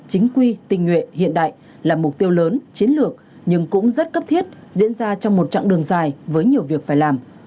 chính quy tình nguyện hiện đại là mục tiêu lớn chiến lược nhưng cũng rất cấp thiết diễn ra trong một chặng đường dài với nhiều việc phải làm